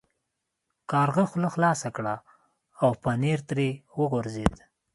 کارغه خوله خلاصه کړه او پنیر ترې وغورځید.